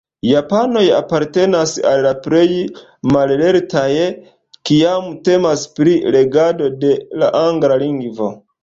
Japanoj apartenas al la plej mallertaj, kiam temas pri regado de la angla lingvo.